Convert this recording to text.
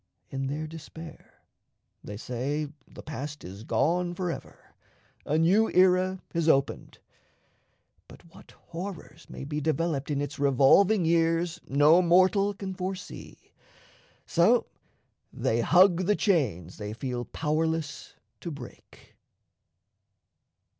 In their despair, they say the past is gone for ever a new era has opened; but what horrors may be developed in its revolving years no mortal can foresee, so they hug the chains they feel powerless to break.